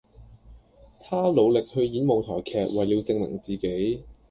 他努力去演舞台劇為了證明自己